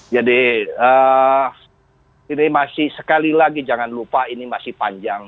jadi ini masih sekali lagi jangan lupa ini masih panjang